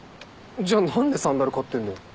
じゃあ何でサンダル買ってんだよ。